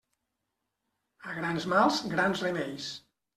A grans mals, grans remeis.